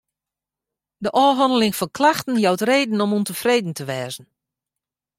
De ôfhanneling fan klachten jout reden om ûntefreden te wêzen.